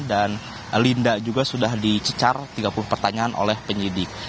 dan linda juga sudah dicicar tiga puluh pertanyaan oleh penyidik